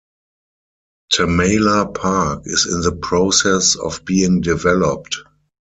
Tamala Park is in the process of being developed.